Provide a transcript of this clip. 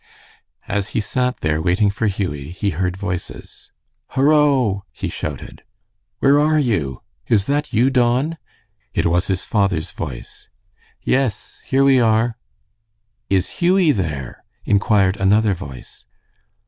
As he sat there waiting for Hughie, he heard voices. "Horo!" he shouted. "Where are you? Is that you, Don?" It was his father's voice. "Yes, here we are." "Is Hughie there?" inquired another voice.